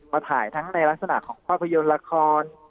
มาถ่ายทั้งในลักษณะของภาพยนตร์ละคร